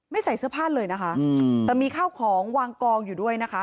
ใส่เสื้อผ้าเลยนะคะแต่มีข้าวของวางกองอยู่ด้วยนะคะ